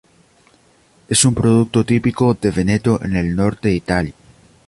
Es un producto típico de Veneto en el norte de Italia.